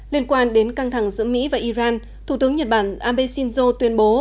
liên quan đến căng thẳng giữa mỹ và iran thủ tướng nhật bản abe shinzo tuyên bố